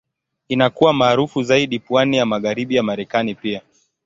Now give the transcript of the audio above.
Inakuwa maarufu zaidi pwani ya Magharibi ya Marekani pia.